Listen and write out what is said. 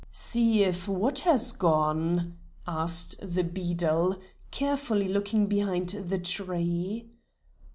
"See if what has gone?" asked the beadle, carefully looking behind the tree.